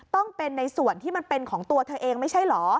ต้องเป็นในส่วนที่มันเป็นของตัวเธอเองไม่ใช่เหรอ